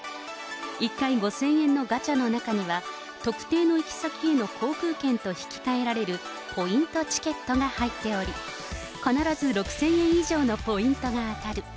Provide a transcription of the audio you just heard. １回５０００円のガチャの中には、特定の行き先への航空券と引き換えられるポイントチケットが入っており、必ず６０００円以上のポイントが当たる。